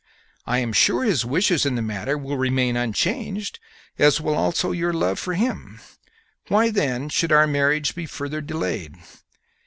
I am sure his wishes in the matter will remain unchanged, as will also your love for him; why then should our marriage be further delayed?"